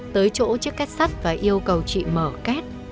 tới chỗ chiếc cát sắt và yêu cầu chị mở cát